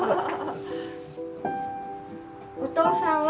お父さんは。